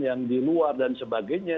yang di luar dan sebagainya